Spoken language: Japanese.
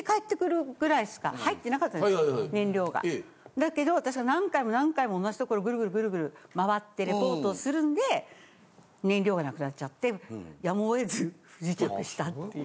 だけど私が何回も何回も同じ所をグルグルグルグル回ってレポートをするんで燃料がなくなっちゃってやむを得ず不時着したっていう。